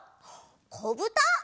こぶた！